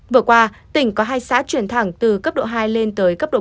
vừa qua tỉnh có hai xã chuyển thẳng từ cấp độ hai lên tới cấp độ một